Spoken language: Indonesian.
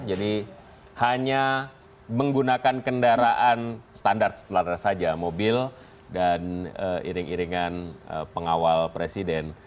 jadi hanya menggunakan kendaraan standar saja mobil dan iring iringan pengawal presiden